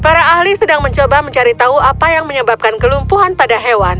para ahli sedang mencoba mencari tahu apa yang menyebabkan kelumpuhan pada hewan